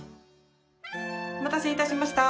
お待たせいたしました。